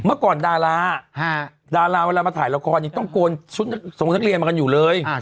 เมื่อก่อนดาราดาราเวลามาถ่ายละครยังต้องโกนชุดส่งนักเรียนมากันอยู่เลย